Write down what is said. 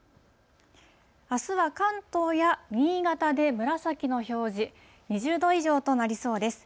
あすは関東や新潟で紫の表示、２０度以上となりそうです。